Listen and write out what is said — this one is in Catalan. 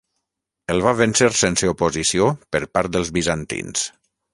El va vèncer sense oposició per part dels bizantins.